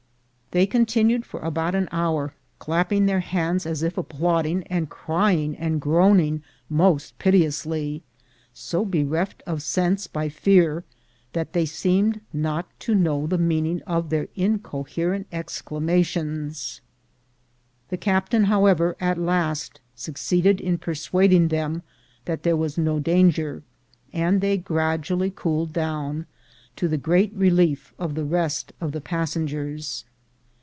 They continued for about an hour, clapping their hands as if applauding, and crj'ing and groaning most piteously — so bereft of sense, by fear, that they seemed not to know the meaning of their incoherent exclamations. The captain, however, at last succeeded in persuading them that there was no danger, and they gradually cooled down, to the great relief of the rest of the passengers.